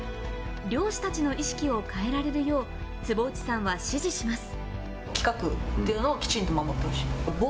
漁師たちの意識を変えられるよう、坪内さんは指示します。